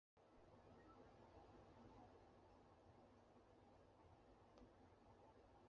元至元十五年复称延平府南平县。